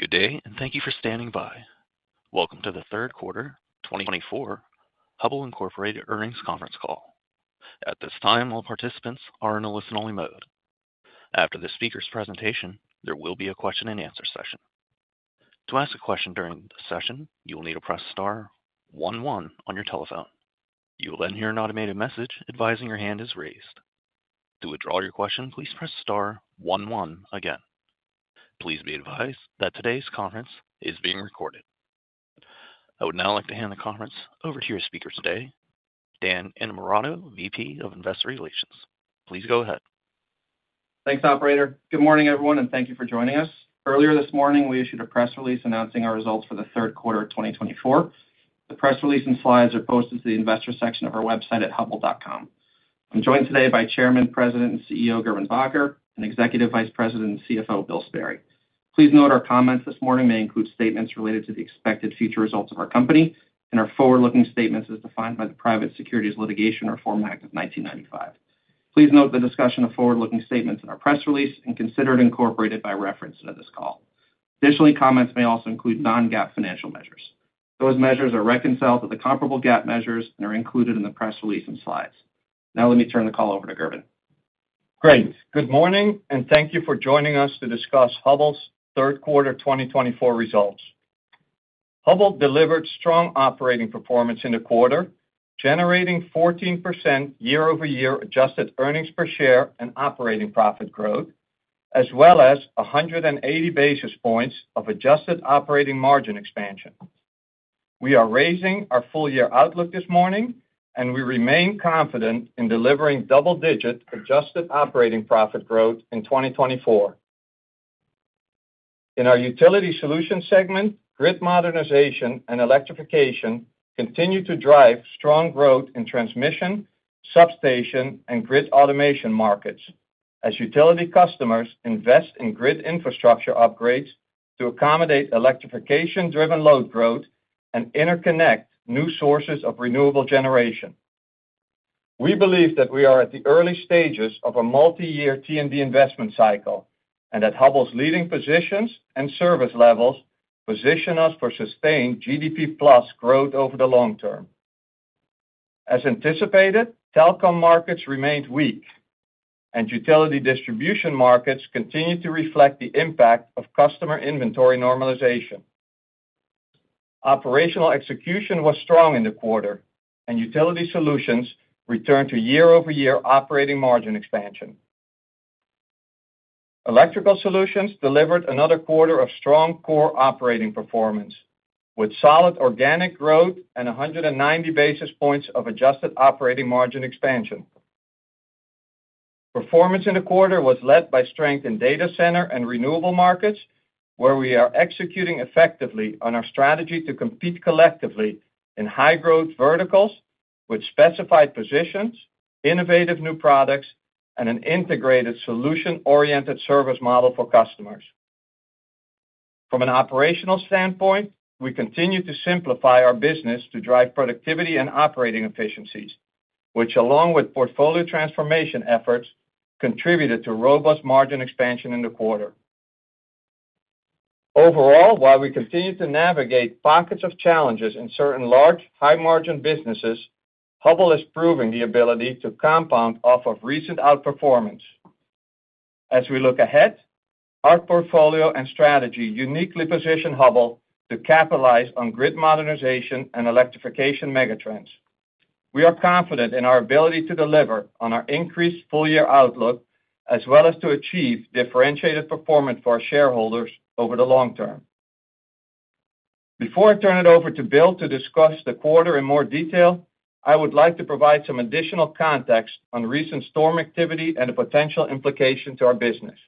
Good day, and thank you for standing by. Welcome to the third quarter 2024 Hubbell Incorporated earnings conference call. At this time, all participants are in a listen-only mode. After the speaker's presentation, there will be a question-and-answer session. To ask a question during the session, you will need to press star one one on your telephone. You will then hear an automated message advising your hand is raised. To withdraw your question, please press star one one again. Please be advised that today's conference is being recorded. I would now like to hand the conference over to your speaker today, Dan Innamorato, VP of Investor Relations. Please go ahead. Thanks, Operator. Good morning, everyone, and thank you for joining us. Earlier this morning, we issued a press release announcing our results for the third quarter of 2024. The press release and slides are posted to the investor section of our website at hubbell.com. I'm joined today by Chairman, President, and CEO Gerben Bakker, and Executive Vice President and CFO Bill Sperry. Please note our comments this morning may include statements related to the expected future results of our company and our forward-looking statements as defined by the Private Securities Litigation Reform Act of 1995. Please note the discussion of forward-looking statements in our press release and consider it incorporated by reference to this call. Additionally, comments may also include Non-GAAP financial measures. Those measures are reconciled to the comparable GAAP measures and are included in the press release and slides. Now, let me turn the call over to Gerben. Great. Good morning, and thank you for joining us to discuss Hubbell's third quarter 2024 results. Hubbell delivered strong operating performance in the quarter, generating 14% year-over-year adjusted earnings per share and operating profit growth, as well as 180 basis points of adjusted operating margin expansion. We are raising our full-year outlook this morning, and we remain confident in delivering double-digit adjusted operating profit growth in 2024. In our Utility Solutions segment, grid modernization and electrification continue to drive strong growth in transmission, substation, and Grid Automation markets as utility customers invest in grid infrastructure upgrades to accommodate electrification-driven load growth and interconnect new sources of renewable generation. We believe that we are at the early stages of a multi-year T&D investment cycle and that Hubbell's leading positions and service levels position us for sustained GDP-plus growth over the long term. As anticipated, telecom markets remained weak, and utility distribution markets continued to reflect the impact of customer inventory normalization. Operational execution was strong in the quarter, and Utility Solutions returned to year-over-year operating margin expansion. Electrical Solutions delivered another quarter of strong core operating performance with solid organic growth and 190 basis points of adjusted operating margin expansion. Performance in the quarter was led by strength in data center and renewable markets, where we are executing effectively on our strategy to compete collectively in high-growth verticals with specified positions, innovative new products, and an integrated solution-oriented service model for customers. From an operational standpoint, we continue to simplify our business to drive productivity and operating efficiencies, which, along with portfolio transformation efforts, contributed to robust margin expansion in the quarter. Overall, while we continue to navigate pockets of challenges in certain large, high-margin businesses, Hubbell is proving the ability to compound off of recent outperformance. As we look ahead, our portfolio and strategy uniquely position Hubbell to capitalize on grid modernization and electrification megatrends. We are confident in our ability to deliver on our increased full-year outlook, as well as to achieve differentiated performance for our shareholders over the long term. Before I turn it over to Bill to discuss the quarter in more detail, I would like to provide some additional context on recent storm activity and the potential implications to our business.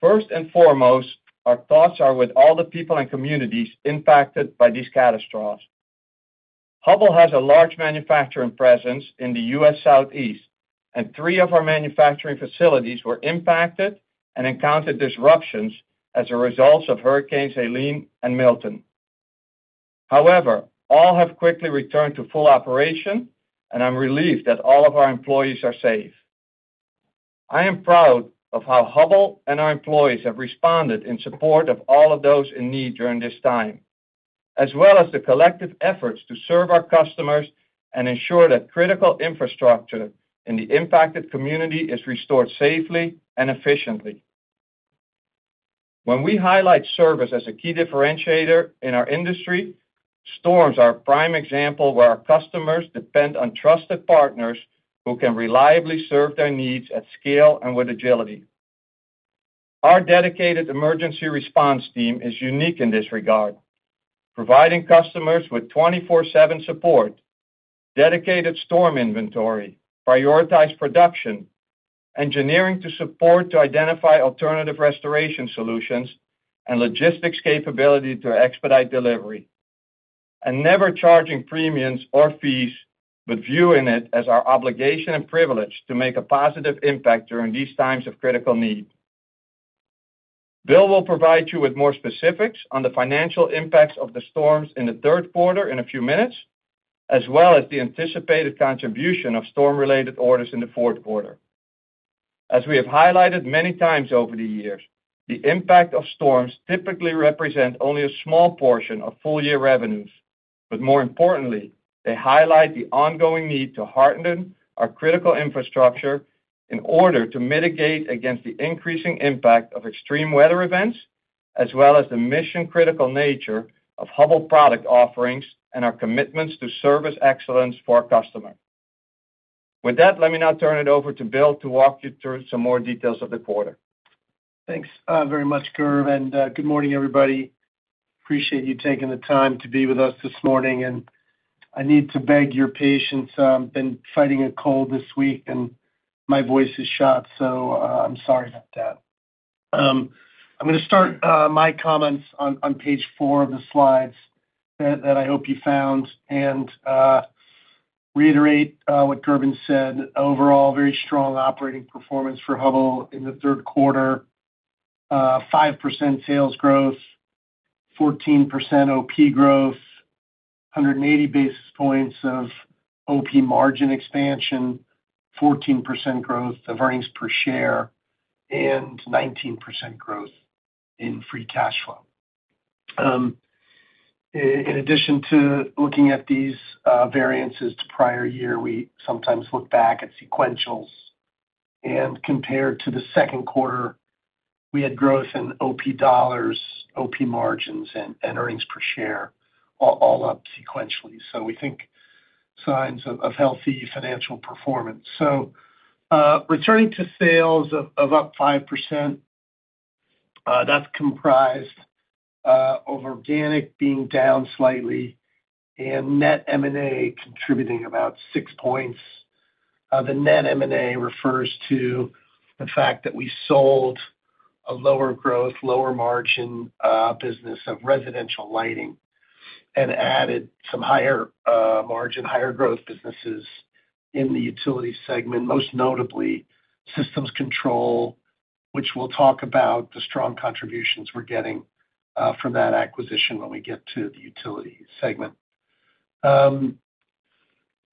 First and foremost, our thoughts are with all the people and communities impacted by these catastrophes. Hubbell has a large manufacturing presence in the U.S. Southeast, and three of our manufacturing facilities were impacted and encountered disruptions as a result of Hurricanes Helene and Milton. However, all have quickly returned to full operation, and I'm relieved that all of our employees are safe. I am proud of how Hubbell and our employees have responded in support of all of those in need during this time, as well as the collective efforts to serve our customers and ensure that critical infrastructure in the impacted community is restored safely and efficiently. When we highlight service as a key differentiator in our industry, storms are a prime example where our customers depend on trusted partners who can reliably serve their needs at scale and with agility. Our dedicated emergency response team is unique in this regard, providing customers with 24/7 support, dedicated storm inventory, prioritized production, engineering support to identify alternative restoration solutions, and logistics capability to expedite delivery. And never charging premiums or fees, but viewing it as our obligation and privilege to make a positive impact during these times of critical need. Bill will provide you with more specifics on the financial impacts of the storms in the third quarter in a few minutes, as well as the anticipated contribution of storm-related orders in the fourth quarter. As we have highlighted many times over the years, the impact of storms typically represents only a small portion of full-year revenues, but more importantly, they highlight the ongoing need to harden our critical infrastructure in order to mitigate against the increasing impact of extreme weather events, as well as the mission-critical nature of Hubbell product offerings and our commitments to service excellence for our customers. With that, let me now turn it over to Bill to walk you through some more details of the quarter. Thanks very much, Gerben, and good morning, everybody. Appreciate you taking the time to be with us this morning, and I need to beg your patience. I've been fighting a cold this week, and my voice is shot, so I'm sorry about that. I'm going to start my comments on page four of the slides that I hope you found and reiterate what Gerben said. Overall, very strong operating performance for Hubbell in the third quarter, 5% sales growth, 14% OP growth, 180 basis points of OP margin expansion, 14% growth of earnings per share, and 19% growth in free cash flow. In addition to looking at these variances to prior year, we sometimes look back at sequentials, and compared to the second quarter, we had growth in OP dollars, OP margins, and earnings per share, all up sequentially. So we think signs of healthy financial performance. So returning to sales of up 5%, that's comprised of organic being down slightly and net M&A contributing about six points. The net M&A refers to the fact that we sold a lower-growth, lower-margin business of Residential Lighting and added some higher-margin, higher-growth businesses in the utility segment, most notably Systems Control, which we'll talk about the strong contributions we're getting from that acquisition when we get to the utility segment.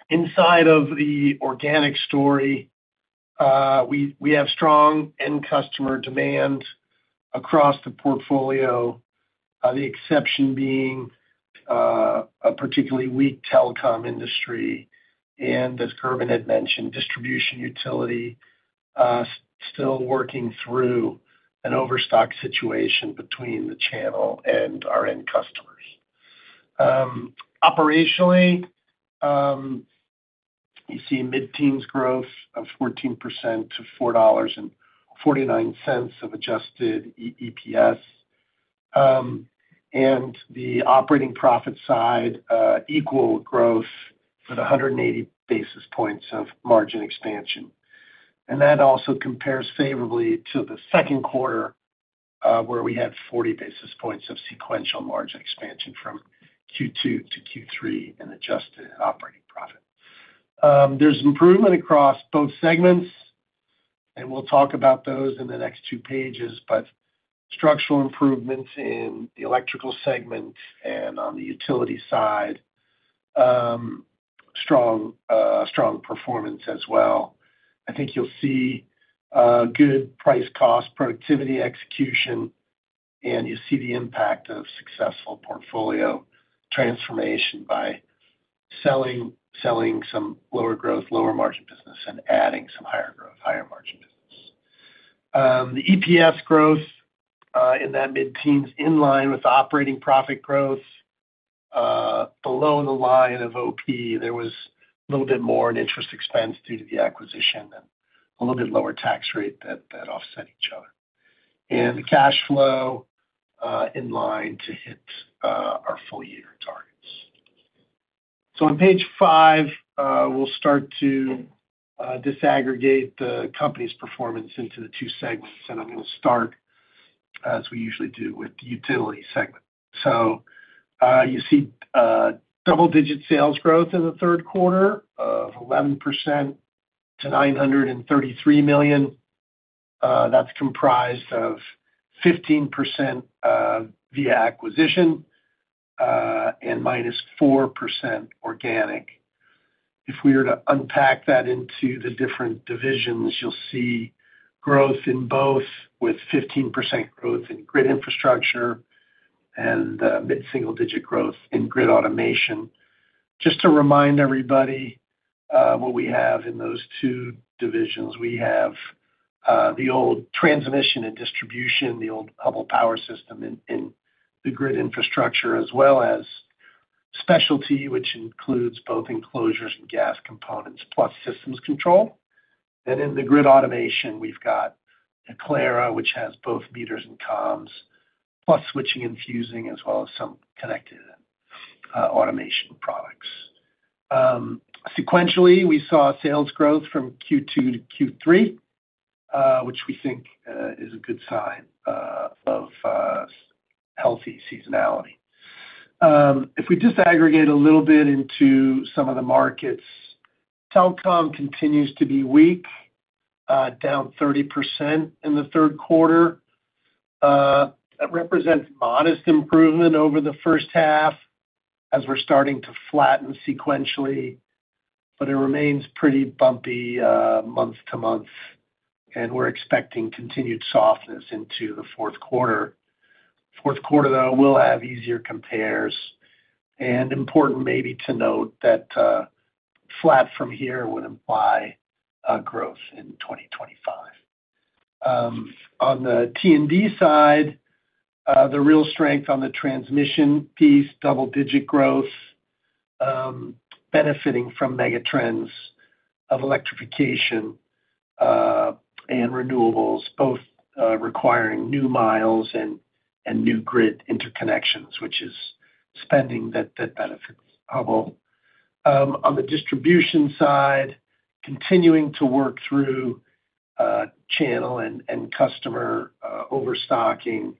Inside of the organic story, we have strong end-customer demand across the portfolio, the exception being a particularly weak telecom industry, and as Gerben had mentioned, distribution utility still working through an overstock situation between the channel and our end customers. Operationally, you see mid-teens growth of 14% to $4.49 of adjusted EPS, and the operating profit side equal growth with 180 basis points of margin expansion. And that also compares favorably to the second quarter, where we had 40 basis points of sequential margin expansion from Q2 to Q3 and adjusted operating profit. There's improvement across both segments, and we'll talk about those in the next two pages, but structural improvements in the electrical segment and on the utility side, strong performance as well. I think you'll see good price-cost productivity execution, and you see the impact of successful portfolio transformation by selling some lower-growth, lower-margin business and adding some higher-growth, higher-margin business. The EPS growth in that mid-teens in line with operating profit growth, below the line of OP. There was a little bit more in interest expense due to the acquisition and a little bit lower tax rate that offset each other. And the cash flow in line to hit our full-year targets. So on page five, we'll start to disaggregate the company's performance into the two segments, and I'm going to start, as we usually do, with the utility segment. So you see double-digit sales growth in the third quarter of 11% to $933 million. That's comprised of 15% via acquisition and -4% organic. If we were to unpack that into the different divisions, you'll see growth in both with 15% growth in Grid Infrastructure and mid-single-digit growth in Grid Automation. Just to remind everybody what we have in those two divisions, we have the old transmission and distribution, the old Hubbell Power Systems in the Grid Infrastructure, as well as specialty, which includes both enclosures and gas components, plus Systems Control. And in the Grid Automation, we've got Aclara, which has both meters and comms, plus switching and fusing, as well as some connected automation products. Sequentially, we saw sales growth from Q2 to Q3, which we think is a good sign of healthy seasonality. If we disaggregate a little bit into some of the markets, telecom continues to be weak, down 30% in the third quarter. That represents modest improvement over the first half as we're starting to flatten sequentially, but it remains pretty bumpy month to month, and we're expecting continued softness into the fourth quarter. Fourth quarter, though, will have easier compares. And important maybe to note that flat from here would imply growth in 2025. On the T&D side, the real strength on the transmission piece, double-digit growth, benefiting from megatrends of electrification and renewables, both requiring new miles and new grid interconnections, which is spending that benefits Hubbell. On the distribution side, continuing to work through channel and customer overstocking,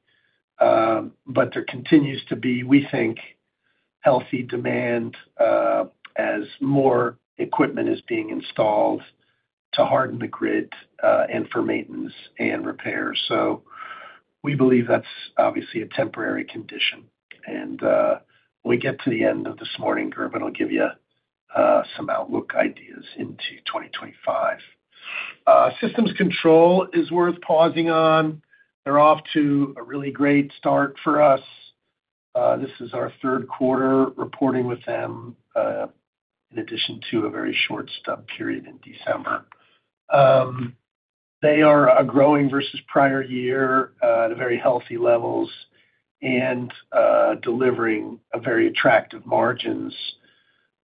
but there continues to be, we think, healthy demand as more equipment is being installed to harden the grid and for maintenance and repairs. So we believe that's obviously a temporary condition. And when we get to the end of this morning, Gerben, I'll give you some outlook ideas into 2025. Systems Control is worth pausing on. They're off to a really great start for us. This is our third quarter reporting with them in addition to a very short stub period in December. They are growing versus prior year at very healthy levels and delivering very attractive margins.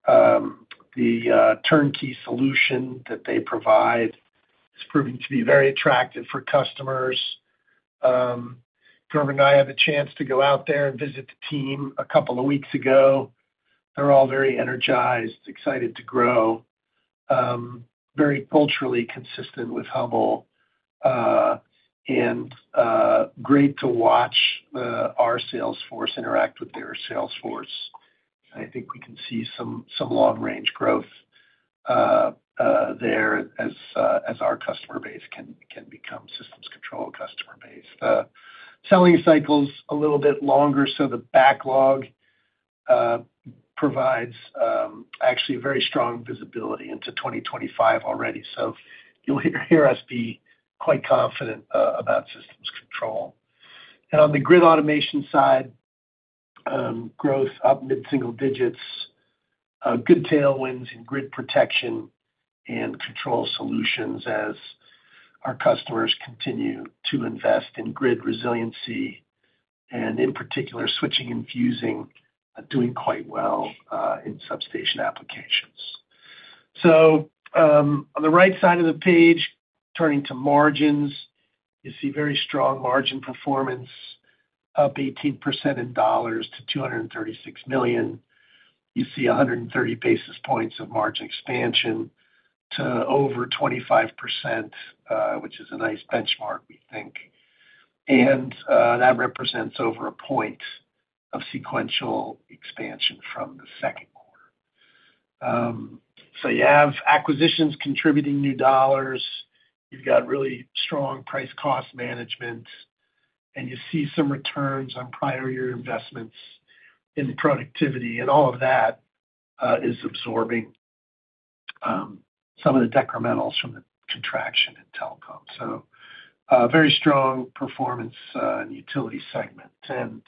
The turnkey solution that they provide is proving to be very attractive for customers. Gerben and I had the chance to go out there and visit the team a couple of weeks ago. They're all very energized, excited to grow, very culturally consistent with Hubbell, and great to watch our sales force interact with their sales force. I think we can see some long-range growth there as our customer base can become Systems Control customer base. Selling cycles a little bit longer, so the backlog provides actually very strong visibility into 2025 already. So you'll hear us be quite confident about Systems Control. And on the Grid Automation side, growth up mid-single digits, good tailwinds in Protection and Control Solutions as our customers continue to invest in grid resiliency, and in particular, Switching and Fusing doing quite well in substation applications. So on the right side of the page, turning to margins, you see very strong margin performance, up 18% in dollars to $236 million. You see 130 basis points of margin expansion to over 25%, which is a nice benchmark, we think. And that represents over a point of sequential expansion from the second quarter. So you have acquisitions contributing new dollars. You've got really strong price-cost management, and you see some returns on prior year investments in productivity. And all of that is absorbing some of the detrimentals from the contraction in telecom. So very strong performance in utility segment. And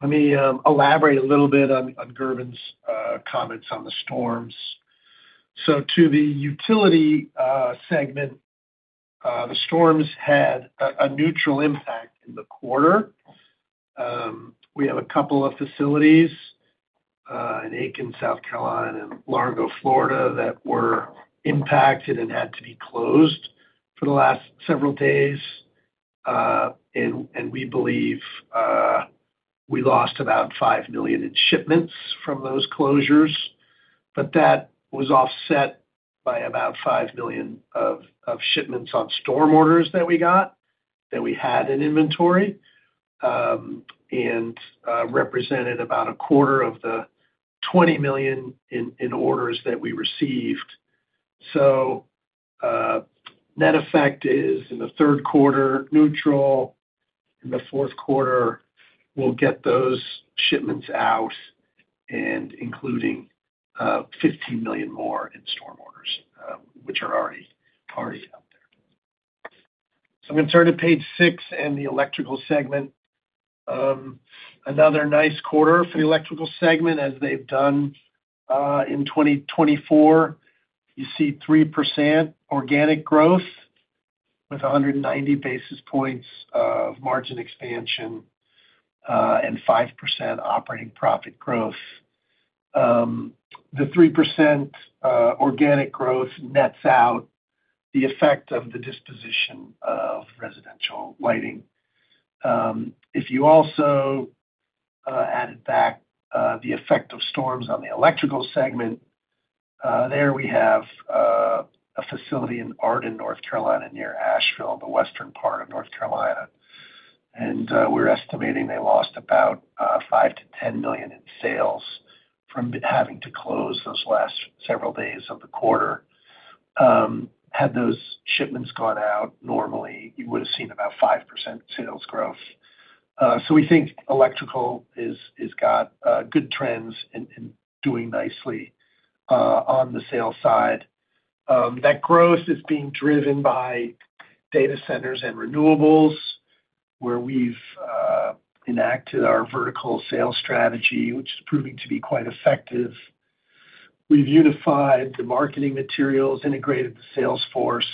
let me elaborate a little bit on Gerben's comments on the storms. So to the utility segment, the storms had a neutral impact in the quarter. We have a couple of facilities in Aiken, South Carolina, and Largo, Florida, that were impacted and had to be closed for the last several days. We believe we lost about $5 million in shipments from those closures, but that was offset by about $5 million of shipments on storm orders that we got that we had in inventory and represented about a quarter of the $20 million in orders that we received. So net effect is in the third quarter neutral. In the fourth quarter, we'll get those shipments out and including $15 million more in storm orders, which are already out there. So I'm going to turn to page six and the electrical segment. Another nice quarter for the electrical segment, as they've done in 2024. You see 3% organic growth with 190 basis points of margin expansion and 5% operating profit growth. The 3% organic growth nets out the effect of the disposition of residential lighting. If you also added back the effect of storms on the electrical segment, there we have a facility in Arden, North Carolina, near Asheville, the western part of North Carolina, and we're estimating they lost about $5 million-$10 million in sales from having to close those last several days of the quarter. Had those shipments gone out normally, you would have seen about 5% sales growth, so we think electrical has got good trends and doing nicely on the sales side. That growth is being driven by data centers and renewables, where we've enacted our vertical sales strategy, which is proving to be quite effective. We've unified the marketing materials, integrated the sales force,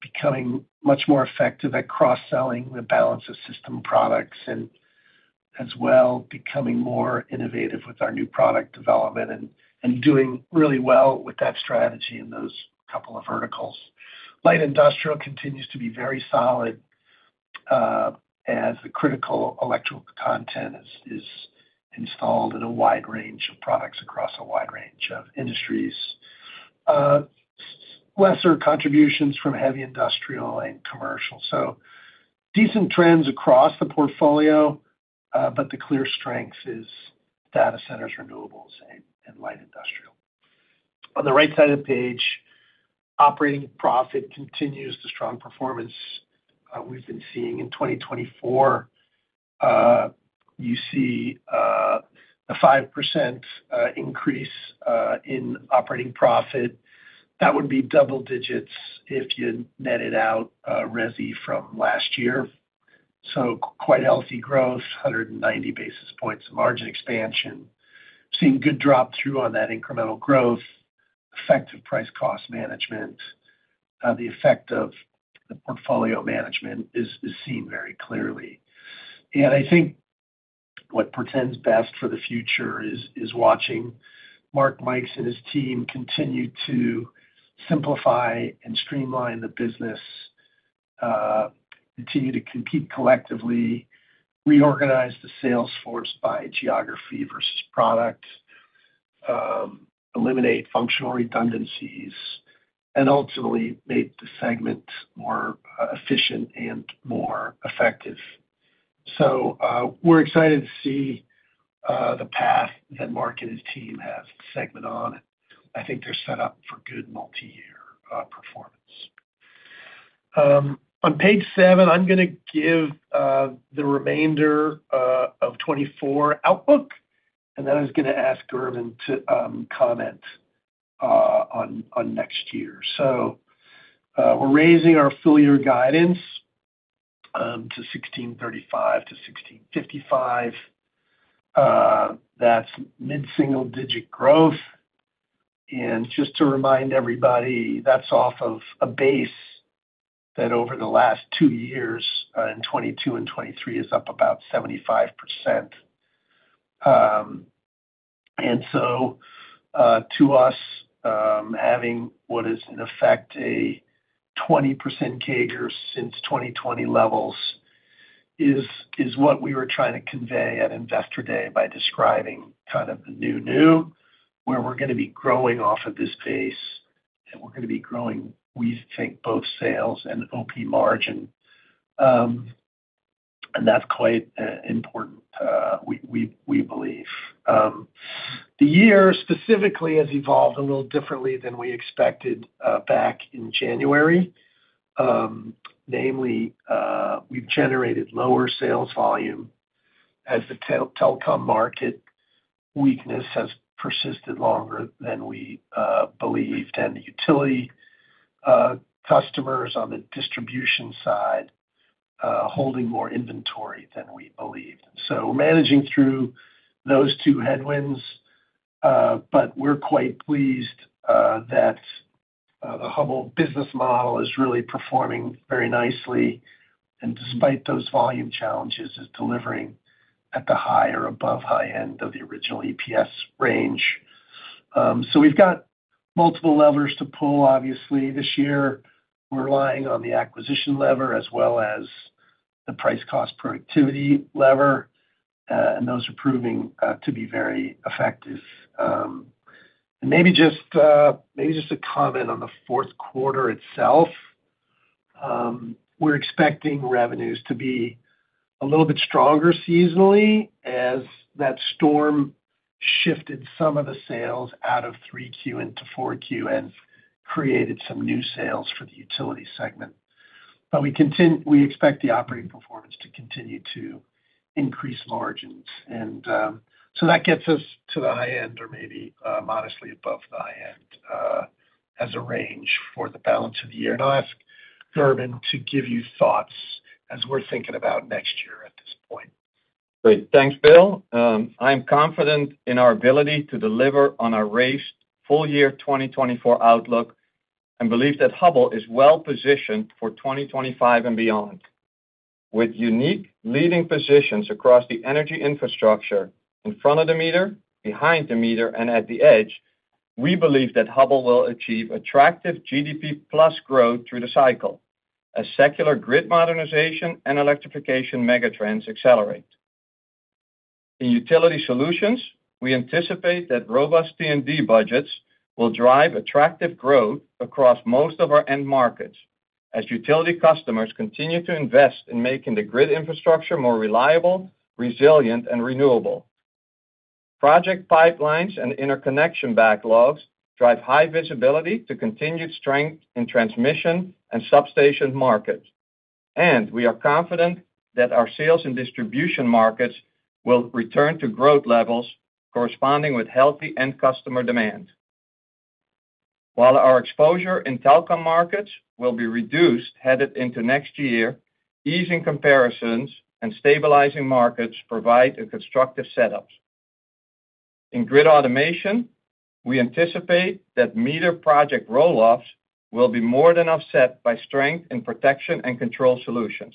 becoming much more effective at cross-selling the balance of system products, and as well becoming more innovative with our new product development and doing really well with that strategy in those couple of verticals. Light industrial continues to be very solid as the critical electrical content is installed in a wide range of products across a wide range of industries. Lesser contributions from heavy industrial and commercial. So decent trends across the portfolio, but the clear strength is data centers, renewables, and light industrial. On the right side of the page, operating profit continues the strong performance we've been seeing in 2024. You see a 5% increase in operating profit. That would be double digits if you netted out Resi from last year. So quite healthy growth, 190 basis points of margin expansion. Seeing good drop through on that incremental growth, effective price-cost management. The effect of the portfolio management is seen very clearly. And I think what portends best for the future is watching Mark Mikes and his team continue to simplify and streamline the business, continue to compete collectively, reorganize the sales force by geography versus product, eliminate functional redundancies, and ultimately make the segment more efficient and more effective. So we're excited to see the path that Mark and his team have set out on. I think they're set up for good multi-year performance. On page seven, I'm going to give the remainder of 2024 outlook, and then I was going to ask Gerben to comment on next year. So we're raising our full-year guidance to $1.635 billion-$1.655 billion. That's mid-single-digit growth. And just to remind everybody, that's off of a base that over the last two years in 2022 and 2023 is up about 75%. To us, having what is in effect a 20% CAGR since 2020 levels is what we were trying to convey at Investor Day by describing kind of the new, new, where we're going to be growing off of this base, and we're going to be growing, we think, both sales and OP margin. That's quite important, we believe. The year specifically has evolved a little differently than we expected back in January. Namely, we've generated lower sales volume as the telecom market weakness has persisted longer than we believed, and utility customers on the distribution side holding more inventory than we believed. We're managing through those two headwinds, but we're quite pleased that the Hubbell business model is really performing very nicely. Despite those volume challenges, it's delivering at the high or above high end of the original EPS range. So we've got multiple levers to pull, obviously, this year. We're relying on the acquisition lever as well as the price-cost productivity lever, and those are proving to be very effective. And maybe just a comment on the fourth quarter itself. We're expecting revenues to be a little bit stronger seasonally as that storm shifted some of the sales out of 3Q into 4Q and created some new sales for the utility segment. But we expect the operating performance to continue to increase margins. And so that gets us to the high end or maybe modestly above the high end as a range for the balance of the year. And I'll ask Gerben to give you thoughts as we're thinking about next year at this point. Great. Thanks, Bill. I am confident in our ability to deliver on our raised full-year 2024 outlook and believe that Hubbell is well positioned for 2025 and beyond. With unique leading positions across the energy infrastructure in front of the meter, behind the meter, and at the edge, we believe that Hubbell will achieve attractive GDP-plus growth through the cycle as secular grid modernization and electrification megatrends accelerate. In utility solutions, we anticipate that robust T&D budgets will drive attractive growth across most of our end markets as utility customers continue to invest in making the grid infrastructure more reliable, resilient, and renewable. Project pipelines and interconnection backlogs drive high visibility to continued strength in transmission and substation markets. And we are confident that our sales and distribution markets will return to growth levels corresponding with healthy end customer demand. While our exposure in telecom markets will be reduced headed into next year, easing comparisons and stabilizing markets provide a constructive setup. In grid automation, we anticipate that meter project rolloffs will be more than offset by strength in protection and control solutions.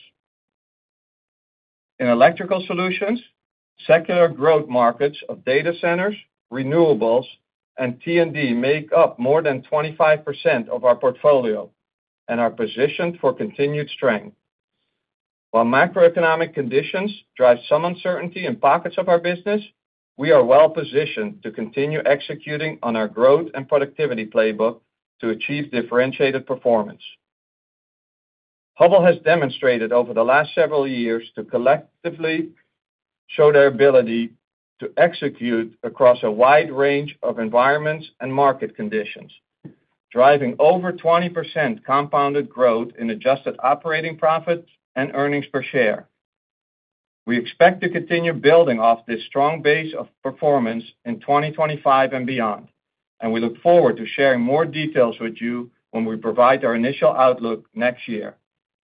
In electrical solutions, secular growth markets of data centers, renewables, and T&D make up more than 25% of our portfolio and are positioned for continued strength. While macroeconomic conditions drive some uncertainty in pockets of our business, we are well positioned to continue executing on our growth and productivity playbook to achieve differentiated performance. Hubbell has demonstrated over the last several years to collectively show their ability to execute across a wide range of environments and market conditions, driving over 20% compounded growth in adjusted operating profit and earnings per share. We expect to continue building off this strong base of performance in 2025 and beyond, and we look forward to sharing more details with you when we provide our initial outlook next year.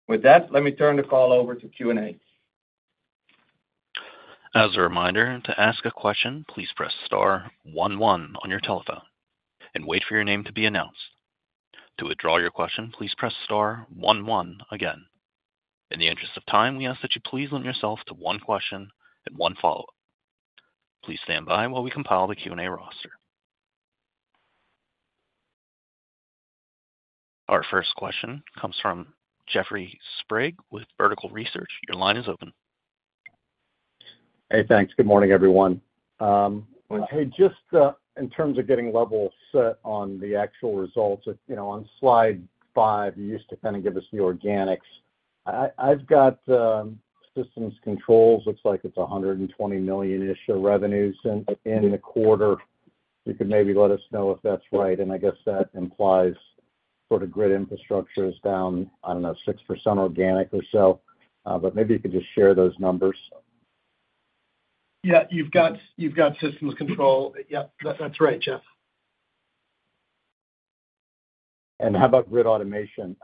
With that, let me turn the call over to Q&A. As a reminder, to ask a question, please press star one one on your telephone and wait for your name to be announced. To withdraw your question, please press star one one again. In the interest of time, we ask that you please limit yourself to one question and one follow-up. Please stand by while we compile the Q&A roster. Our first question comes from Jeffrey Sprague with Vertical Research. Your line is open. Hey, thanks. Good morning, everyone. Hey, just in terms of getting levels set on the actual results, on slide five, you used to kind of give us the organics. I've got Systems Control. Looks like it's $120 million of revenues in the quarter. You could maybe let us know if that's right. And I guess that implies sort of grid infrastructure is down, I don't know, 6% organic or so. But maybe you could just share those numbers. Yeah, you've got systems control. Yep, that's right, Jeff. And how about grid automation?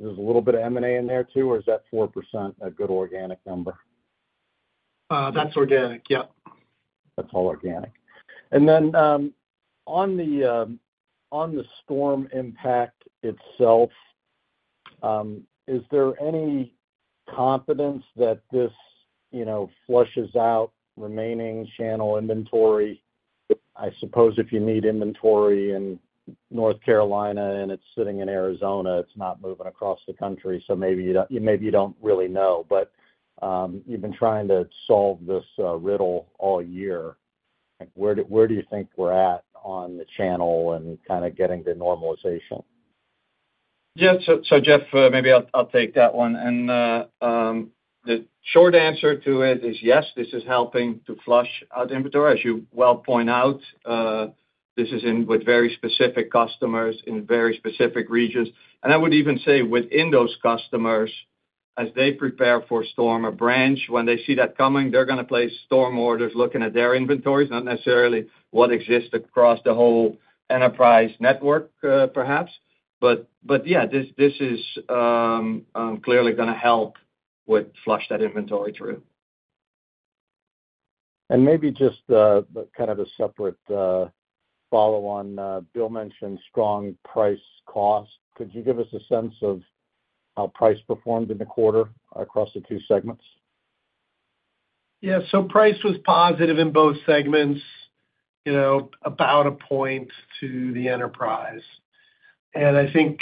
There's a little bit of M&A in there too, or is that 4% a good organic number? That's organic, yep. That's all organic. And then on the storm impact itself, is there any confidence that this flushes out remaining channel inventory? I suppose if you need inventory in North Carolina and it's sitting in Arizona, it's not moving across the country, so maybe you don't really know. But you've been trying to solve this riddle all year. Where do you think we're at on the channel and kind of getting the normalization? Yeah, so Jeff, maybe I'll take that one. And the short answer to it is yes, this is helping to flush out inventory. As you well point out, this is within very specific customers in very specific regions. And I would even say within those customers, as they prepare for storm or branch, when they see that coming, they're going to place storm orders looking at their inventories, not necessarily what exists across the whole enterprise network, perhaps. But yeah, this is clearly going to help with flush that inventory through. And maybe just kind of a separate follow-on, Bill mentioned strong price-cost. Could you give us a sense of how price performed in the quarter across the two segments? Yeah, so price was positive in both segments, about a point to the enterprise. And I think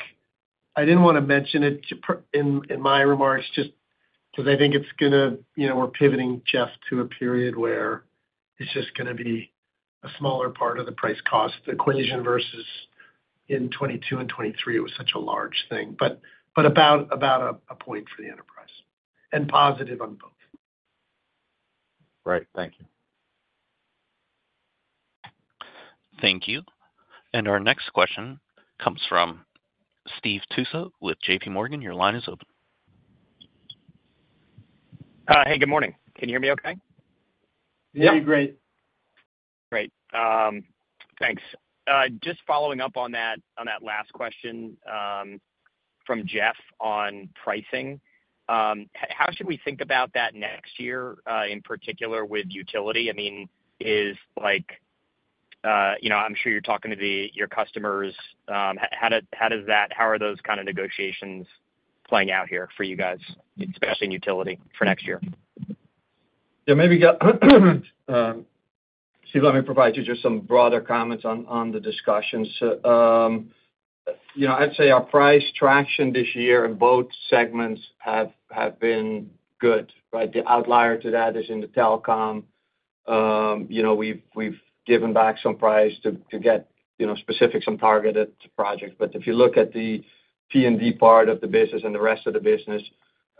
I didn't want to mention it in my remarks just because I think it's going to we're pivoting, Jeff, to a period where it's just going to be a smaller part of the price-cost equation versus in 2022 and 2023, it was such a large thing. But about a point for the enterprise and positive on both. Right, thank you. Thank you. And our next question comes from Steve Tusa with JPMorgan. Your line is open. Hey, good morning. Can you hear me okay? Yeah, great. Great. Thanks. Just following up on that last question from Jeff on pricing, how should we think about that next year in particular with utility? I mean, is like I'm sure you're talking to your customers. How are those kind of negotiations playing out here for you guys, especially in utility for next year? Yeah, maybe let me provide you just some broader comments on the discussions. I'd say our price traction this year in both segments have been good. The outlier to that is in the telecom. We've given back some price to get specific, some targeted projects. But if you look at the T&D part of the business and the rest of the business,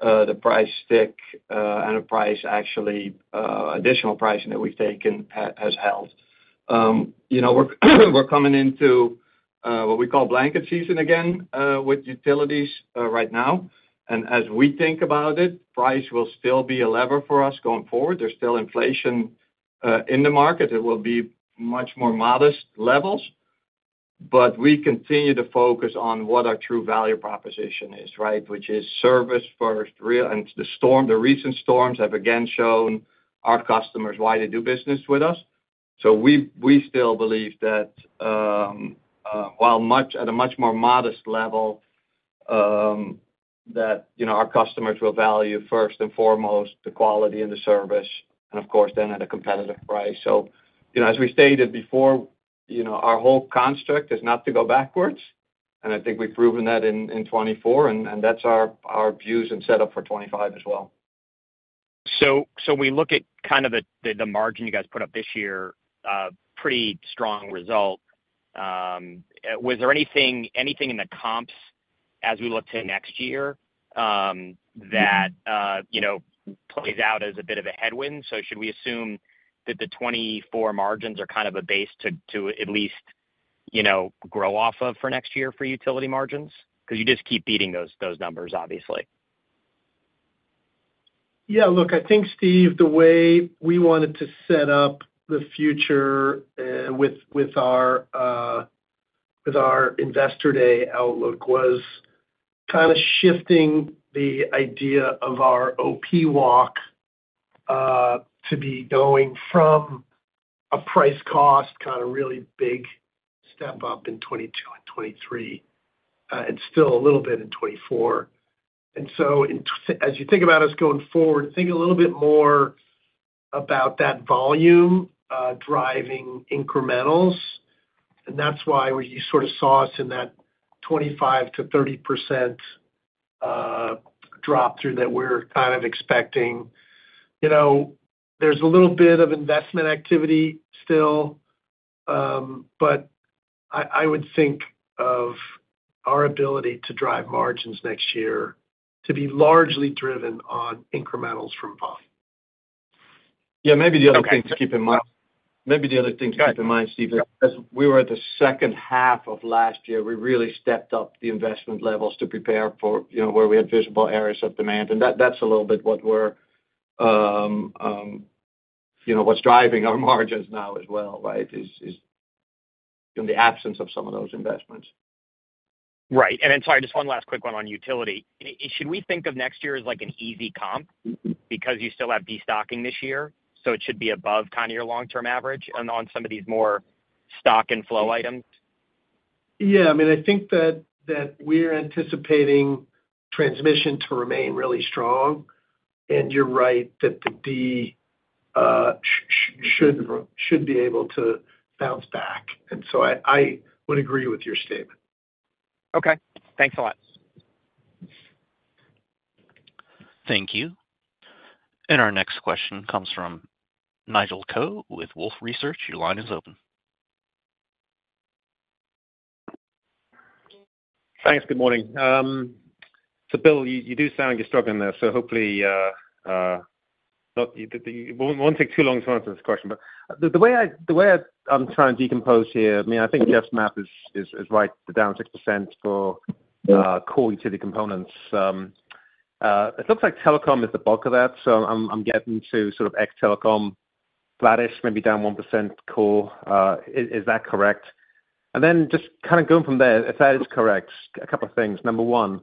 the price stick and the price actually additional pricing that we've taken has held. We're coming into what we call blanket season again with utilities right now, and as we think about it, price will still be a lever for us going forward. There's still inflation in the market. It will be much more modest levels. But we continue to focus on what our true value proposition is, right, which is service first. And the recent storms have again shown our customers why they do business with us. So we still believe that while at a much more modest level, that our customers will value first and foremost the quality and the service, and of course, then at a competitive price. So as we stated before, our whole construct is not to go backwards. And I think we've proven that in 2024, and that's our views and setup for 2025 as well. So we look at kind of the margin you guys put up this year, pretty strong result. Was there anything in the comps as we look to next year that plays out as a bit of a headwind? So should we assume that the 2024 margins are kind of a base to at least grow off of for next year for utility margins? Because you just keep beating those numbers, obviously. Yeah, look, I think, Steve, the way we wanted to set up the future with our Investor Day outlook was kind of shifting the idea of our OP walk to be going from a price-cost kind of really big step up in 2022 and 2023 and still a little bit in 2024. And so as you think about us going forward, think a little bit more about that volume driving incrementals. And that's why you sort of saw us in that 25%-30% drop through that we're kind of expecting. There's a little bit of investment activity still, but I would think of our ability to drive margins next year to be largely driven on incrementals from volume. Yeah, maybe the other thing to keep in mind, Steve, as we were in the second half of last year, we really stepped up the investment levels to prepare for where we had visible areas of demand. And that's a little bit what's driving our margins now as well, right, is the absence of some of those investments. Right. And then sorry, just one last quick one on utility. Should we think of next year as like an easy comp because you still have destocking this year? So it should be above kind of your long-term average on some of these more stock and flow items. Yeah, I mean, I think that we're anticipating transmission to remain really strong. And you're right that the D should be able to bounce back. And so I would agree with your statement. Okay. Thanks a lot. Thank you. And our next question comes from Nigel Coe with Wolfe Research. Your line is open. Thanks. Good morning. So, Bill, you do sound like you're struggling there, so hopefully it won't take too long to answer this question. But the way I'm trying to decompose here, I mean, I think Jeff's map is right, the down 6% for core utility components. It looks like telecom is the bulk of that. So I'm getting to sort of ex-telecom flattish, maybe down 1% core. Is that correct? And then just kind of going from there, if that is correct, a couple of things. Number one,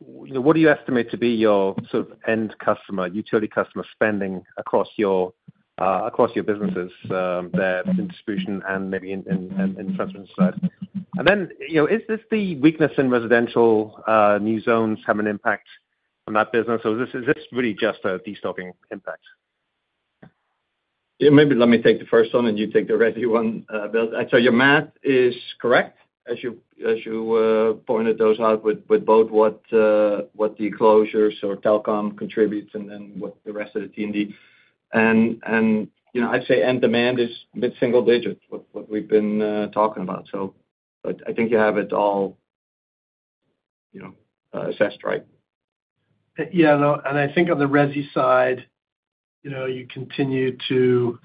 what do you estimate to be your sort of end customer, utility customer spending across your businesses there in distribution and maybe in the transmission side? And then is this the weakness in residential new construction having an impact on that business? Or is this really just a destocking impact? Yeah, maybe let me take the first one and you take the rest of that one, Bill. So your math is correct as you pointed those out with both what the enclosures or telecom contributes and then what the rest of the T&D. And I'd say end demand is mid-single digit, what we've been talking about. So I think you have it all assessed right. Yeah, and I think on the Resi side, you continue to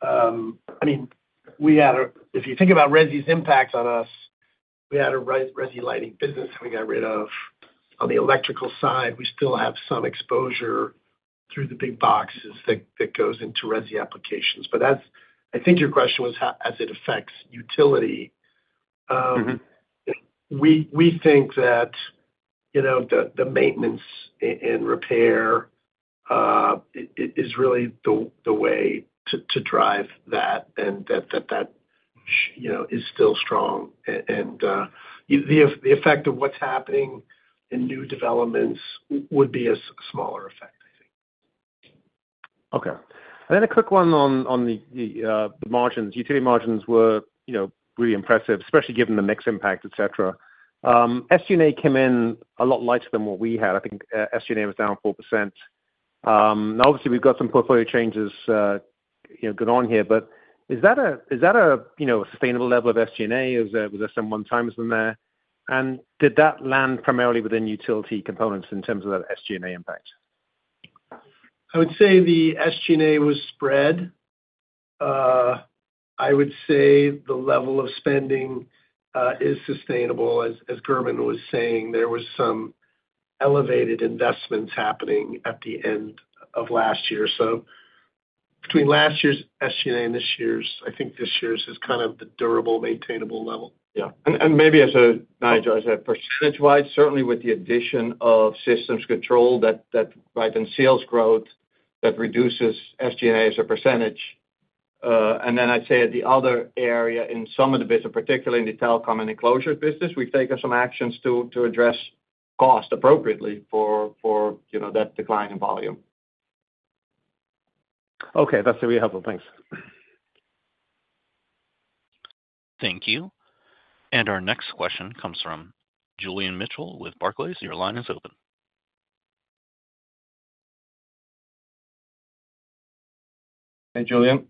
I mean, if you think about Resi's impact on us, we had a Resi lighting business that we got rid of. On the electrical side, we still have some exposure through the big boxes that goes into Resi applications. But I think your question was as it affects utility. We think that the maintenance and repair is really the way to drive that and that that is still strong. And the effect of what's happening in new developments would be a smaller effect, I think. Okay. And then a quick one on the margins. Utility margins were really impressive, especially given the mixed impact, etc. SG&A came in a lot lighter than what we had. I think SG&A was down 4%. Now, obviously, we've got some portfolio changes going on here, but is that a sustainable level of SG&A? Was there some one-timers in there? And did that land primarily within utility components in terms of that SG&A impact? I would say the SG&A was spread. I would say the level of spending is sustainable. As Gerben was saying, there were some elevated investments happening at the end of last year. So between last year's SG&A and this year's, I think this year's is kind of the durable, maintainable level. Yeah. And maybe as a percentage-wise, certainly with the addition of Systems Control that drives in sales growth that reduces SG&A as a percentage. And then I'd say the other area in some of the business, particularly in the telecom and enclosure business, we've taken some actions to address cost appropriately for that decline in volume. Okay. That's really helpful. Thanks. Thank you. And our next question comes from Julian Mitchell with Barclays. Your line is open. Hey, Julian.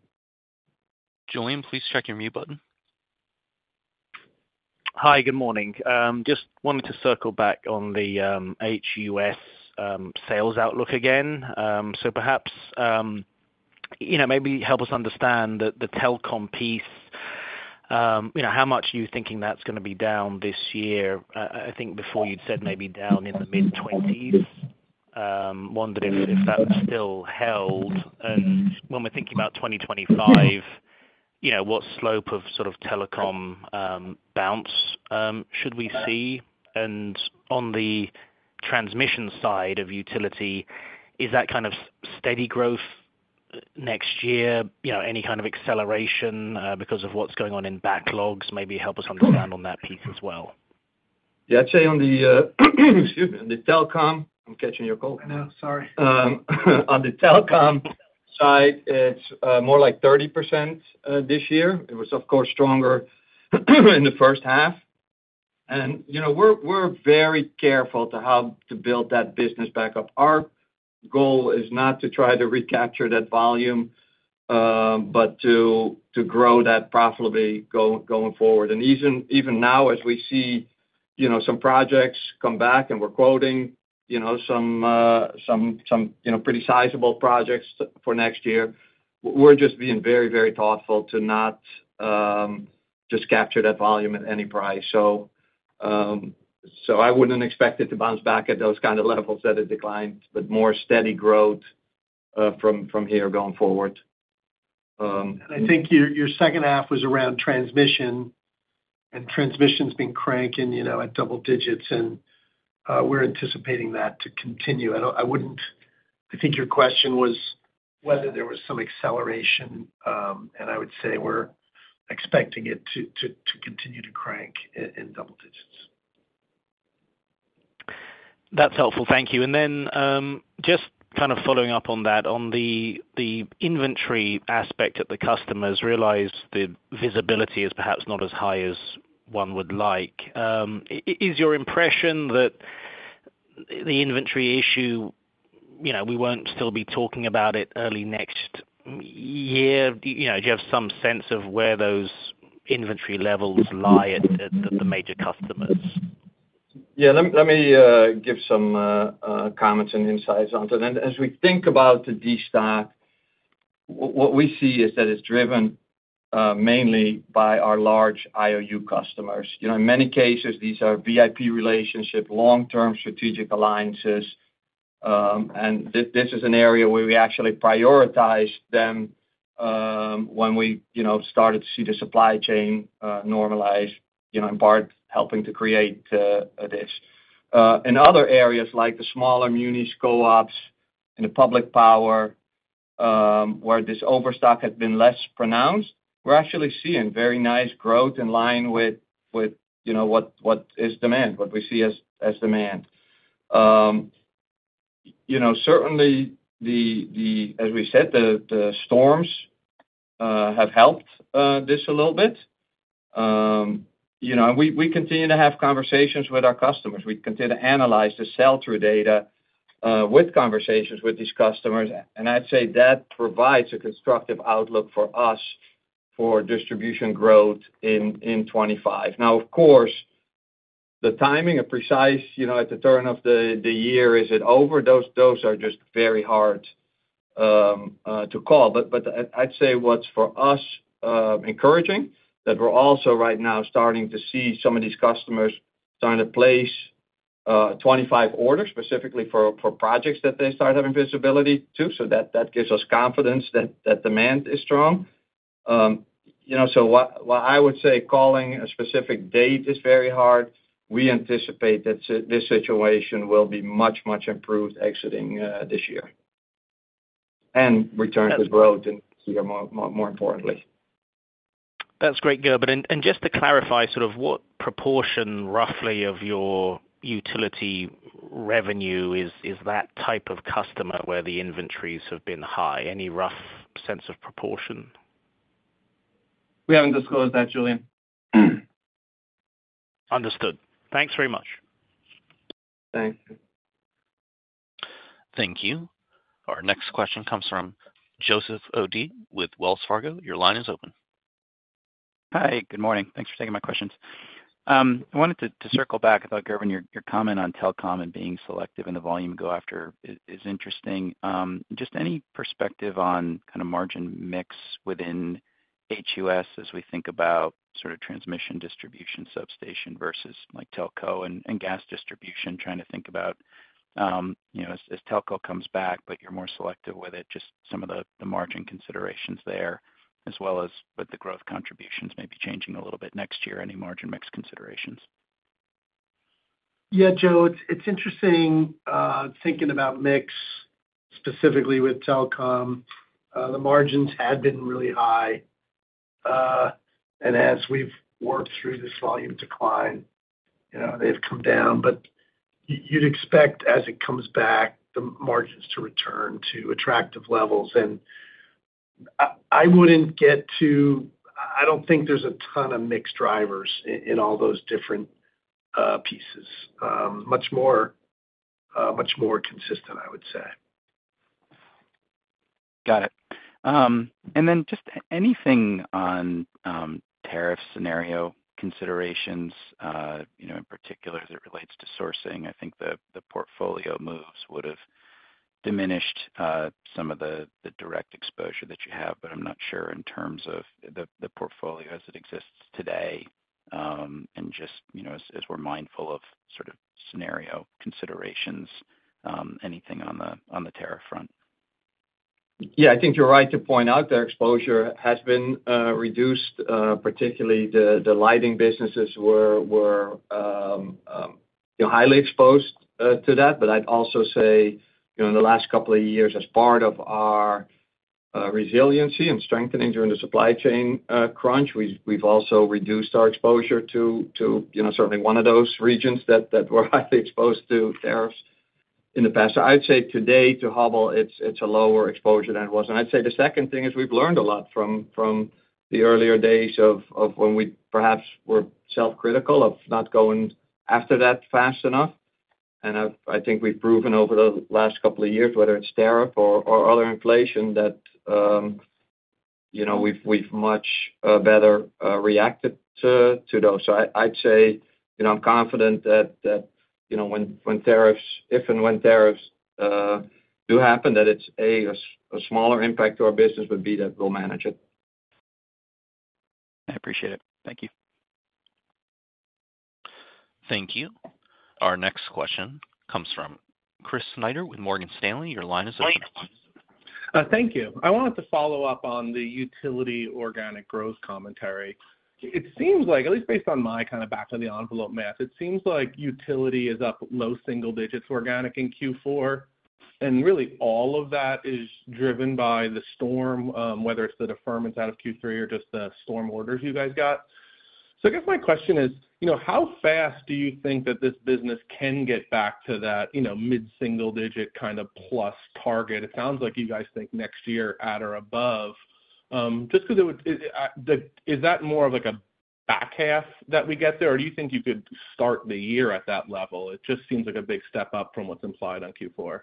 Julian, please check your mute button. Hi, good morning. Just wanted to circle back on the HUS sales outlook again. So, perhaps maybe help us understand the telecom piece, how much you're thinking that's going to be down this year. I think before you'd said maybe down in the mid-20s%. Wondered if that's still held. And when we're thinking about 2025, what slope of sort of telecom bounce should we see? And on the transmission side of utility, is that kind of steady growth next year? Any kind of acceleration because of what's going on in backlogs? Maybe help us understand on that piece as well. Yeah, I'd say, excuse me. On the telecom side, it's more like 30% this year. It was, of course, stronger in the first half. And we're very careful to build that business back up. Our goal is not to try to recapture that volume, but to grow that profitably going forward. Even now, as we see some projects come back and we're quoting some pretty sizable projects for next year, we're just being very, very thoughtful to not just capture that volume at any price. So I wouldn't expect it to bounce back at those kind of levels that it declined, but more steady growth from here going forward. And I think your second half was around transmission, and transmission's been cranking at double digits, and we're anticipating that to continue. I think your question was whether there was some acceleration, and I would say we're expecting it to continue to crank in double digits. That's helpful. Thank you. And then just kind of following up on that, on the inventory aspect at the customers, realize the visibility is perhaps not as high as one would like. Is your impression that the inventory issue, we won't still be talking about it early next year? Do you have some sense of where those inventory levels lie at the major customers? Yeah, let me give some comments and insights onto that. As we think about the destock, what we see is that it's driven mainly by our large IOU customers. In many cases, these are VIP relationship, long-term strategic alliances. And this is an area where we actually prioritized them when we started to see the supply chain normalize, in part helping to create this. In other areas like the smaller munis co-ops and the public power, where this overstock had been less pronounced, we're actually seeing very nice growth in line with what is demand, what we see as demand. Certainly, as we said, the storms have helped this a little bit. We continue to have conversations with our customers. We continue to analyze the sell-through data with conversations with these customers. And I'd say that provides a constructive outlook for us for distribution growth in 2025. Now, of course, the precise timing at the turn of the year, is it over? Those are just very hard to call. But I'd say what's for us encouraging that we're also right now starting to see some of these customers trying to place 2025 orders specifically for projects that they start having visibility to. So that gives us confidence that demand is strong. So I would say calling a specific date is very hard. We anticipate that this situation will be much, much improved exiting this year and return to growth in the next year, more importantly. That's great, Gerben. And just to clarify, sort of what proportion roughly of your utility revenue is that type of customer where the inventories have been high? Any rough sense of proportion? We haven't disclosed that, Julian. Understood. Thanks very much. Thank you. Thank you. Our next question comes from Joseph O'Dea with Wells Fargo. Your line is open. Hi. Good morning. Thanks for taking my questions. I wanted to circle back about, Gerben, your comment on telecom and being selective in the volume go after is interesting. Just any perspective on kind of margin mix within HUS as we think about sort of transmission distribution substation versus telco and gas distribution trying to think about as telco comes back, but you're more selective with it, just some of the margin considerations there, as well as with the growth contributions maybe changing a little bit next year. Any margin mix considerations? Yeah, Joe, it's interesting thinking about mix specifically with telecom. The margins had been really high. And as we've worked through this volume decline, they've come down. But you'd expect, as it comes back, the margins to return to attractive levels. And I wouldn't get to. I don't think there's a ton of mixed drivers in all those different pieces. Much more consistent, I would say. Got it. And then just anything on tariff scenario considerations in particular as it relates to sourcing. I think the portfolio moves would have diminished some of the direct exposure that you have, but I'm not sure in terms of the portfolio as it exists today. And just as we're mindful of sort of scenario considerations, anything on the tariff front. Yeah, I think you're right to point out that exposure has been reduced, particularly the lighting businesses were highly exposed to that. But I'd also say in the last couple of years, as part of our resiliency and strengthening during the supply chain crunch, we've also reduced our exposure to certainly one of those regions that were highly exposed to tariffs in the past. So I'd say today, to Hubbell, it's a lower exposure than it was. And I'd say the second thing is we've learned a lot from the earlier days of when we perhaps were self-critical of not going after that fast enough. And I think we've proven over the last couple of years, whether it's tariff or other inflation, that we've much better reacted to those. So I'd say I'm confident that when tariffs, if and when tariffs do happen, that it's A, a smaller impact to our business, but B, that we'll manage it. I appreciate it. Thank you. Thank you. Our next question comes from Chris Snyder with Morgan Stanley. Your line is open. Thank you. I wanted to follow up on the utility organic growth commentary. It seems like, at least based on my kind of back-of-the-envelope math, it seems like utility is up low single digits organic in Q4. And really, all of that is driven by the storm, whether it's the deferments out of Q3 or just the storm orders you guys got. So I guess my question is, how fast do you think that this business can get back to that mid-single digit kind of plus target? It sounds like you guys think next year at or above. Just because it would, is that more of a back half that we get there, or do you think you could start the year at that level? It just seems like a big step up from what's implied on Q4.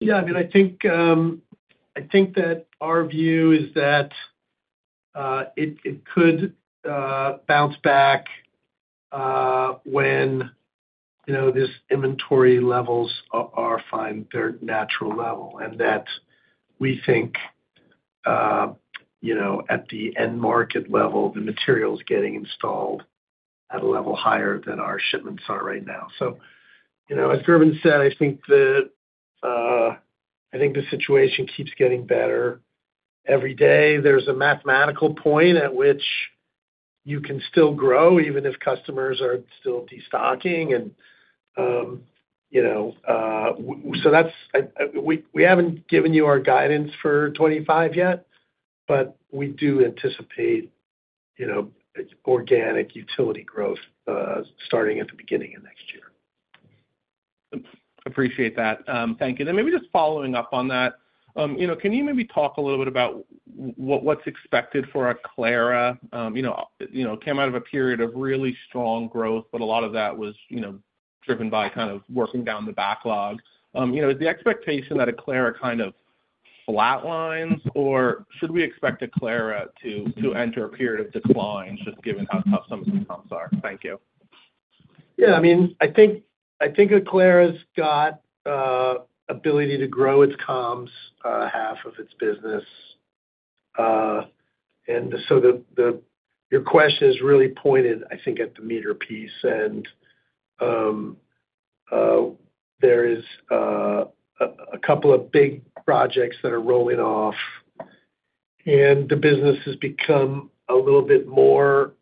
Yeah. I mean, I think that our view is that it could bounce back when these inventory levels find their natural level and that we think at the end market level, the materials getting installed at a level higher than our shipments are right now. So as Gerben said, I think the situation keeps getting better every day. There's a mathematical point at which you can still grow even if customers are still destocking. And so we haven't given you our guidance for 2025 yet, but we do anticipate organic utility growth starting at the beginning of next year. Appreciate that. Thank you. And maybe just following up on that, can you maybe talk a little bit about what's expected for Aclara? It came out of a period of really strong growth, but a lot of that was driven by kind of working down the backlog. Is the expectation that Aclara kind of flatlines, or should we expect Aclara to enter a period of decline just given how tough some of the comps are? Thank you. Yeah. I mean, I think Aclara's got the ability to grow its comms half of its business. And so your question is really pointed, I think, at the meter piece. And there is a couple of big projects that are rolling off, and the business has become a little bit more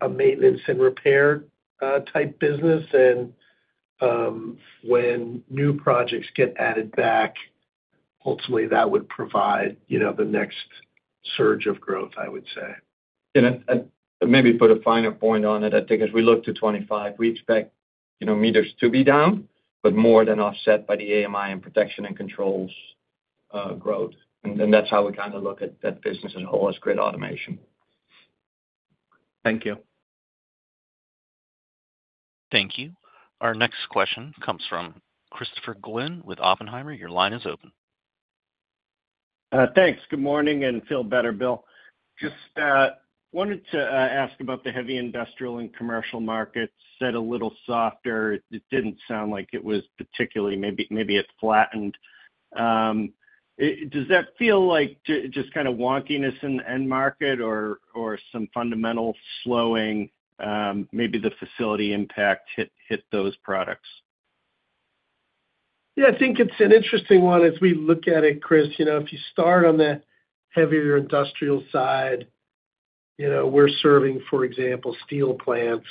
a maintenance and repair type business. And when new projects get added back, ultimately, that would provide the next surge of growth, I would say. And maybe put a finer point on it. I think as we look to 2025, we expect meters to be down, but more than offset by the AMI and protection and controls growth, and that's how we kind of look at that business as a whole as grid automation. Thank you. Thank you. Our next question comes from Christopher Glynn with Oppenheimer. Your line is open. Thanks. Good morning and feel better, Bill. Just wanted to ask about the heavy industrial and commercial markets set a little softer. It didn't sound like it was particularly maybe it flattened. Does that feel like just kind of wonkiness in the end market or some fundamental slowing, maybe the facility impact hit those products? Yeah, I think it's an interesting one as we look at it, Chris. If you start on the heavier industrial side, we're serving, for example, steel plants.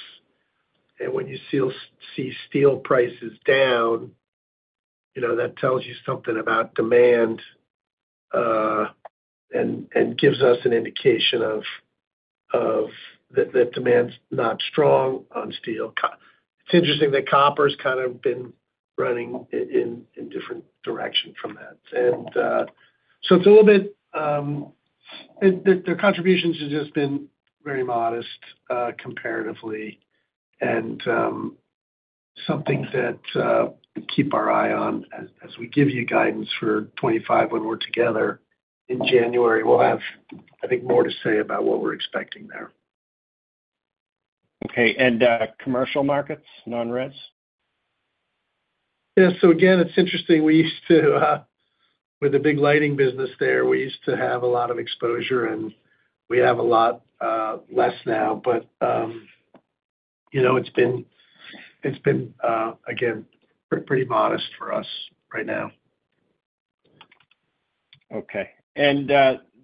When you see steel prices down, that tells you something about demand and gives us an indication that demand's not strong on steel. It's interesting that copper's kind of been running in different directions from that. So it's a little bit their contributions have just been very modest comparatively and something that we keep our eye on as we give you guidance for 2025 when we're together in January. We'll have, I think, more to say about what we're expecting there. Okay. Commercial markets, non-res? Yeah. Again, it's interesting. We used to, with the big lighting business there, we used to have a lot of exposure, and we have a lot less now. It's been, again, pretty modest for us right now. Okay.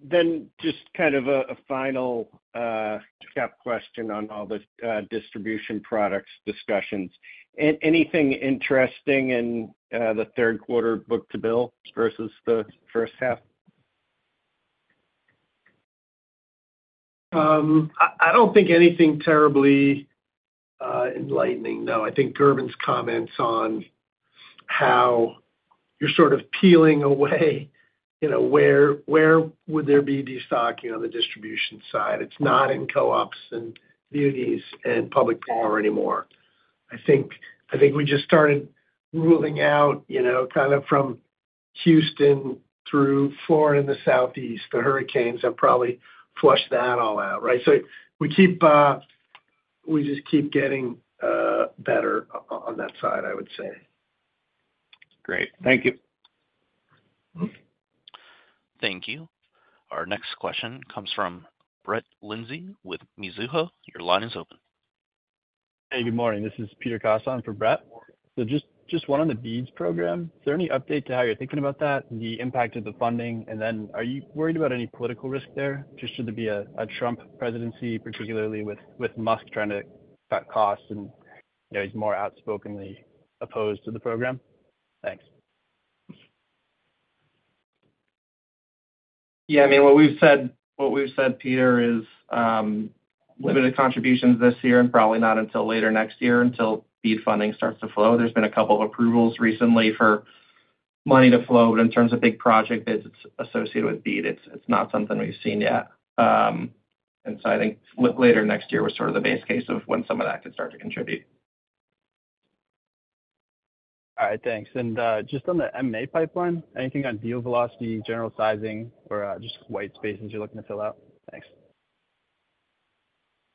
Then just kind of a final wrap-up question on all the distribution products discussions. Anything interesting in the third quarter book-to-bill versus the first half? I don't think anything terribly enlightening, though. I think Gerben's comments on how you're sort of peeling away, where would there be destocking on the distribution side? It's not in co-ops and munis and public power anymore. I think we just started ruling out kind of from Houston through Florida in the southeast. The hurricanes have probably flushed that all out, right? So we just keep getting better on that side, I would say. Great. Thank you. Thank you. Our next question comes from Brett Linzey with Mizuho. Your line is open. Hey, good morning. This is Peter Kossen for Brett. So just one on the BEAD program. Is there any update to how you're thinking about that, the impact of the funding? And then are you worried about any political risk there? Just, should there be a Trump presidency, particularly with Musk trying to cut costs and he's more outspokenly opposed to the program? Thanks. Yeah. I mean, what we've said, Peter, is limited contributions this year and probably not until later next year until BEAD funding starts to flow. There's been a couple of approvals recently for money to flow, but in terms of big project bids associated with BEAD, it's not something we've seen yet. And so I think later next year was sort of the base case of when some of that could start to contribute. All right. Thanks. And just on the M&A pipeline, anything on deal velocity, general sizing, or just white spaces you're looking to fill out? Thanks.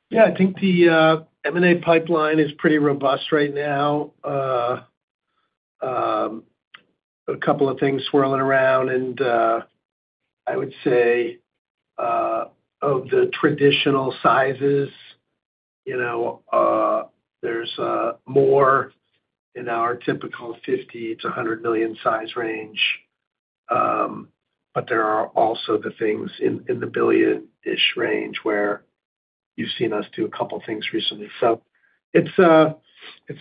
Yeah. I think the M&A pipeline is pretty robust right now. A couple of things swirling around. I would say of the traditional sizes, there's more in our typical $50 million-$100 million size range, but there are also the things in the $1 billion range where you've seen us do a couple of things recently. It's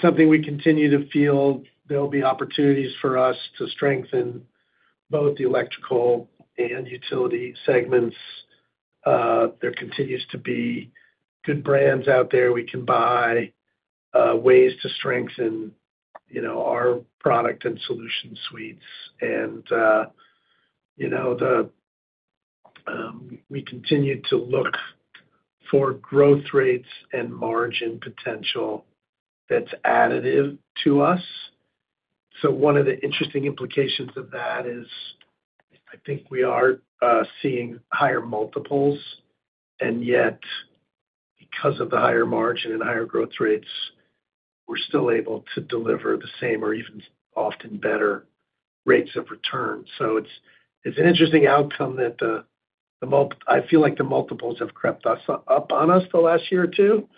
something we continue to feel there'll be opportunities for us to strengthen both the electrical and utility segments. There continues to be good brands out there we can buy, ways to strengthen our product and solution suites. We continue to look for growth rates and margin potential that's additive to us. One of the interesting implications of that is I think we are seeing higher multiples, and yet because of the higher margin and higher growth rates, we're still able to deliver the same or even often better rates of return. So it's an interesting outcome that I feel like the multiples have crept up on us the last year or two,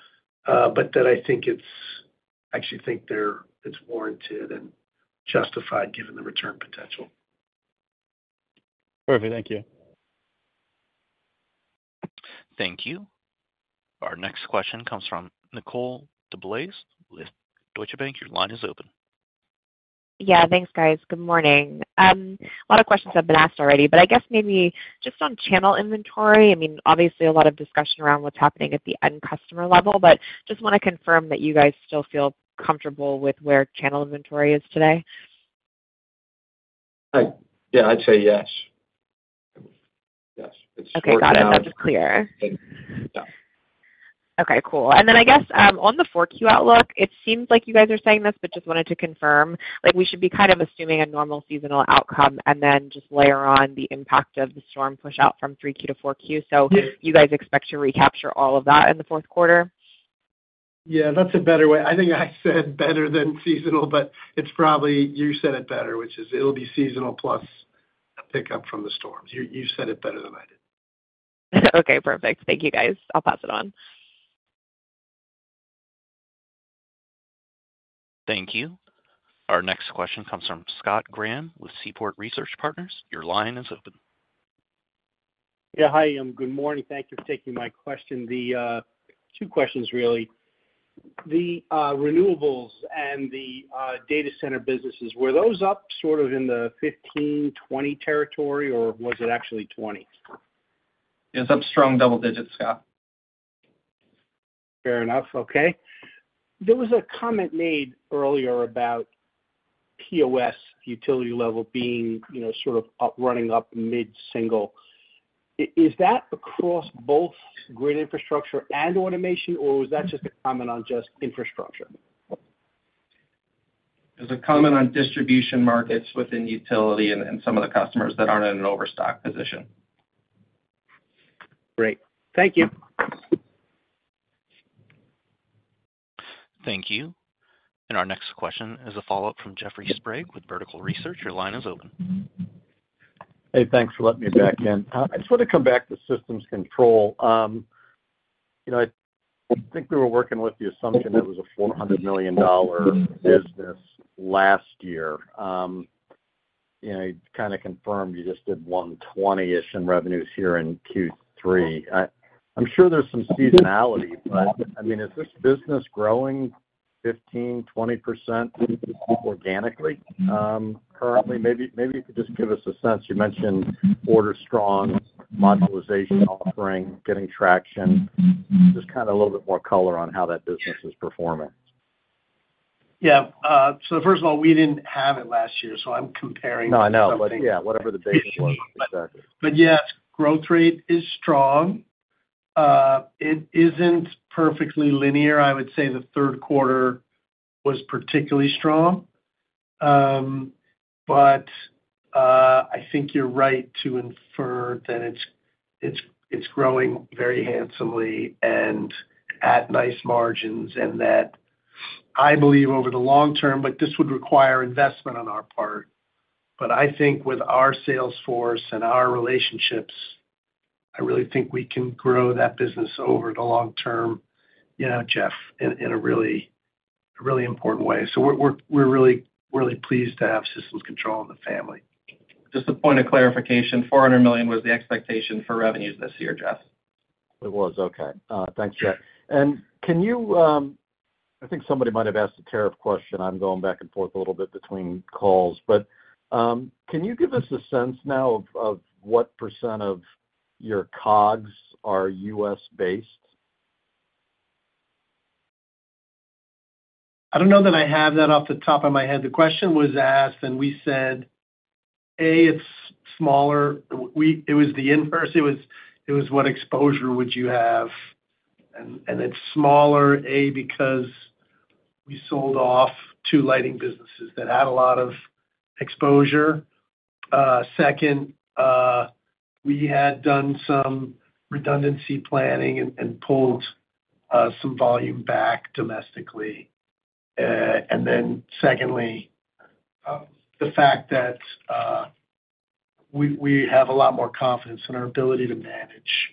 but that I think it's actually warranted and justified given the return potential. Perfect. Thank you. Thank you. Our next question comes from Nicole DeBlase with Deutsche Bank. Your line is open. Yeah. Thanks, guys. Good morning. A lot of questions have been asked already, but I guess maybe just on channel inventory. I mean, obviously, a lot of discussion around what's happening at the end customer level, but just want to confirm that you guys still feel comfortable with where channel inventory is today. Yeah. I'd say yes. Yes. It's still running. Okay. Got it. That's clear. Yeah. Okay. Cool. And then I guess on the 4Q outlook, it seems like you guys are saying this, but just wanted to confirm, we should be kind of assuming a normal seasonal outcome and then just layer on the impact of the storm push out from 3Q to 4Q. So you guys expect to recapture all of that in the fourth quarter? Yeah. That's a better way. I think I said better than seasonal, but it's probably you said it better, which is it'll be seasonal plus a pickup from the storms. You said it better than I did. Okay. Perfect. Thank you, guys. I'll pass it on. Thank you. Our next question comes from Scott Graham with Seaport Research Partners. Your line is open. Yeah. Hi. Good morning. Thank you for taking my question. Two questions, really. The renewables and the data center businesses, were those up sort of in the 15-20 territory, or was it actually 20? It's up strong double digits, Scott. Fair enough. Okay. There was a comment made earlier about POS utility level being sort of running up mid-single. Is that across both Grid Infrastructure and Grid Automation, or was that just a comment on just infrastructure? It was a comment on distribution markets within utility and some of the customers that aren't in an overstock position. Great. Thank you. Thank you. And our next question is a follow-up from Jeffrey Sprague with Vertical Research. Your line is open. Hey, thanks for letting me back in. I just want to come back to Systems Control. I think we were working with the assumption that it was a $400 million business last year. I kind of confirmed you just did $120 million in revenues here in Q3. I'm sure there's some seasonality, but I mean, is this business growing 15%-20% organically currently? Maybe you could just give us a sense. You mentioned order strong, modularization offering, getting traction. Just kind of a little bit more color on how that business is performing. Yeah. So first of all, we didn't have it last year, so I'm comparing some of the. No, I know. Yeah. Whatever the data was. But yeah, growth rate is strong. It isn't perfectly linear. I would say the third quarter was particularly strong. But I think you're right to infer that it's growing very handsomely and at nice margins and that I believe over the long term, but this would require investment on our part. But I think with our salesforce and our relationships, I really think we can grow that business over the long term, Jeff, in a really important way. So we're really pleased to have Systems Control in the family. Just a point of clarification. $400 million was the expectation for revenues this year, Jeff. It was. Okay. Thanks, Jeff. And can you—I think somebody might have asked a tariff question. I'm going back and forth a little bit between calls. But can you give us a sense now of what percent of your COGS are U.S.-based? I don't know that I have that off the top of my head. The question was asked, and we said, "A, it's smaller." It was the inverse. It was, "What exposure would you have?" And it's smaller, A, because we sold off two lighting businesses that had a lot of exposure. Second, we had done some redundancy planning and pulled some volume back domestically. And then secondly, the fact that we have a lot more confidence in our ability to manage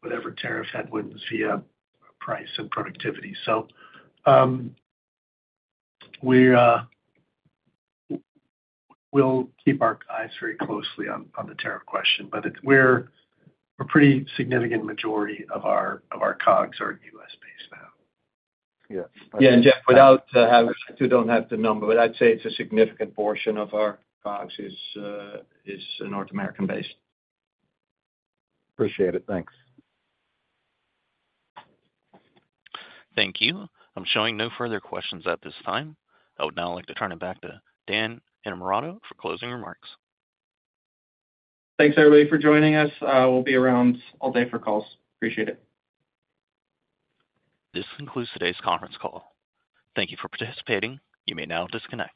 whatever tariff headwinds via price and productivity. So we'll keep our eyes very closely on the tariff question, but we're a pretty significant majority of our COGS are U.S.-based now. Yeah. And Jeff, without having to, I don't have the number, but I'd say it's a significant portion of our COGS is North American-based. Appreciate it. Thanks. Thank you. I'm showing no further questions at this time. I would now like to turn it back to Dan Innamorato for closing remarks. Thanks, everybody, for joining us. We'll be around all day for calls. Appreciate it. This concludes today's conference call. Thank you for participating. You may now disconnect.